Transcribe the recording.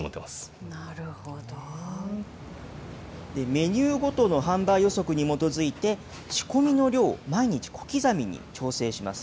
メニューごとの販売予測に基づいて、仕込みの量を毎日、小刻みに調整します。